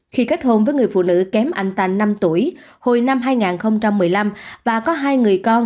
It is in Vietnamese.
khi kết hôn với người phụ nữ kém ảnh tàn năm tuổi